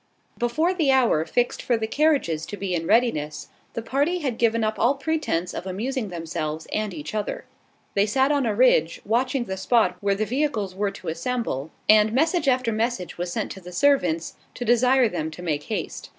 Before the hour fixed for the carriages to be in readiness, the party had given up all pretence of amusing themselves and each other. They sat on a ridge, watching the spot where the vehicles were to assemble; and message after message was sent to the servants, to desire them to make haste.